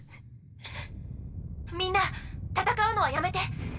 みんな戦うのはやめて！